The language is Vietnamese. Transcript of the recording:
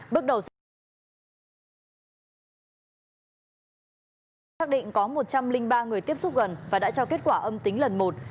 bước đầu xác định xác định có một trăm linh ba người tiếp xúc gần và đã cho kết quả âm tính lần một